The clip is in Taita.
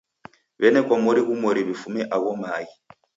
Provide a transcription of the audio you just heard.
W'enekwa mori ghumweri w'ifume agho maaghi.